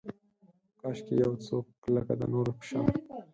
کاشکي یو څوک لکه، د نورو په شان